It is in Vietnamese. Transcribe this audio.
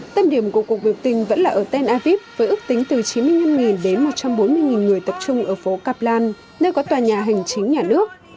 tâm điểm của cuộc biểu tình vẫn là ở tel aviv với ước tính từ chín mươi năm đến một trăm bốn mươi người tập trung ở phố kaplan nơi có tòa nhà hành chính nhà nước